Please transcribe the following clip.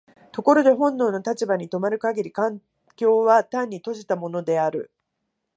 ところで本能の立場に止まる限り環境は単に閉じたものである。